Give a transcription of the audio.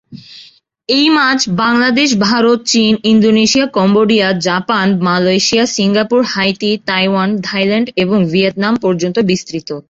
এই মাছ বাংলাদেশ, ভারত, চীন, Indonesia, Cambodia, Japan, Malaysia, Singapore, Haiti, Taiwan, Thailand এবং ভিয়েতনাম পর্যন্ত বিস্তৃত।